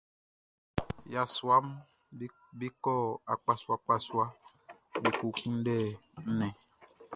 Yasuaʼm be kɔ akpasuaakpasua be ko kunndɛ nnɛn.